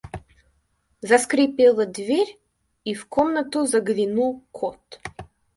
Заскрипела дверь, и в комнату заглянул кот.